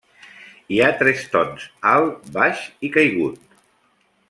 Hi ha tres tons, alt, baix i caigut.